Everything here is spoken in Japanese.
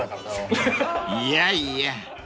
［いやいや］